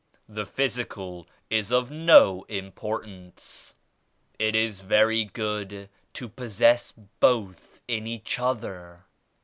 The physical is of no importance. It is very good to possess both in each other.'